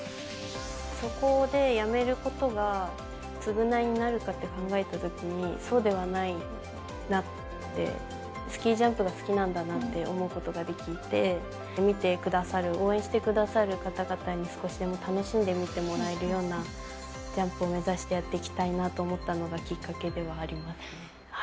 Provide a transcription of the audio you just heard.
そこでやめることが償いになるかって考えたときに、そうではないなって、スキージャンプが好きなんだなと思うことができて、見てくださる、応援してくださる方々に、少しでも楽しんで見てもらえるようなジャンプを目指してやっていきたいなと思ったのがきっかけではありますね。